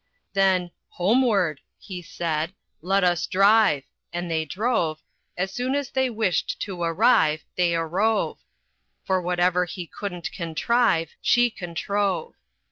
Then "Homeward," he said, "let us drive," and they drove, As soon as they wished to arrive they arrove; For whatever he couldn't contrive she controve.